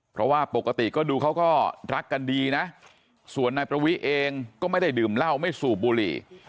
เพราะว่าปกติก็ดูเขาก็รักกันดีนะส่วนนายประวิเองก็ไม่ได้ดื่มเหล้าไม่สูบบุหรี่